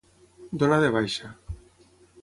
Donar de baixa.